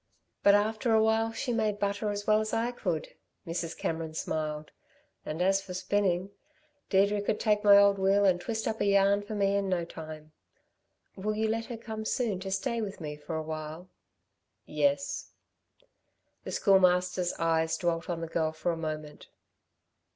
"But after a while she made butter as well as I could." Mrs. Cameron smiled. "And as for spinning, Deirdre could take my old wheel and twist up a yarn for me in no time. Will you let her come soon to stay with me for a while?" "Yes." The Schoolmaster's eyes dwelt on the girl for a moment.